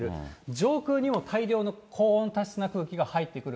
上空にも大量の高温多湿な空気が入ってくる。